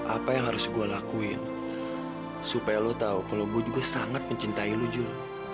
apa yang harus gue lakuin supaya lu tahu kalau gue juga sangat mencintai lu jul